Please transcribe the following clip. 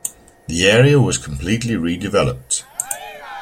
The area was completely redeveloped.